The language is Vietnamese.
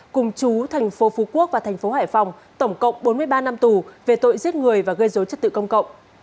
cùng chú thành phố phú quốc và thành phố hải phòng tổng cộng bốn mươi ba năm tù về tội giết người và gây dối chất tự công cộng